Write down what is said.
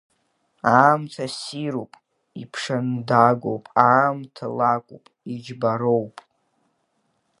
Аамҭа ссируп, иԥшандагоуп, аамҭа лакәуп, иџьбароуп.